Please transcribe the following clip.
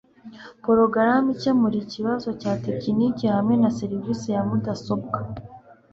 porogaramu ikemura ikibazo cya tekiniki hamwe na seriveri ya mudasobwa